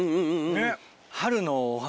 ねっ。